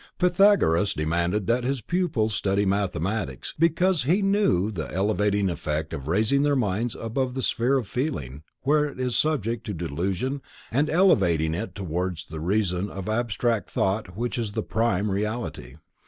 Pythagoras demanded that his pupils study mathematics, because he knew the elevating effect of raising their minds above the sphere of feeling, where it is subject to delusion, and elevating it towards the Region of abstract Thought which is the prime reality.